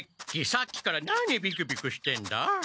さっきから何ビクビクしてんだ？